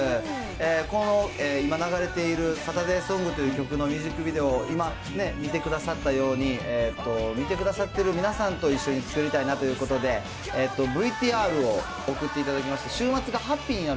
この、今流れているサタデーソングという曲のミュージックビデオ、今、見てくださったように、見てくださってる皆さんと一緒に作りたいなということで、ＶＴＲを送っていただきまして、週末がハッピーになる！